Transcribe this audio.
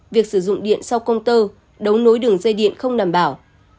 việc sử dụng điện sau công tơ đấu nối đường dây điện không đảm bảo